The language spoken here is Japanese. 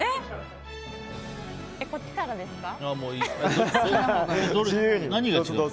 こっちからですか。